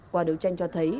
qua điều tranh cho thấy